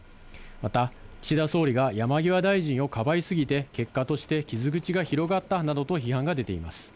また、岸田総理が山際大臣をかばい過ぎて、結果として傷口が広がったと批判が出ています。